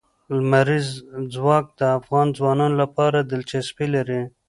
لمریز ځواک د افغان ځوانانو لپاره دلچسپي لري.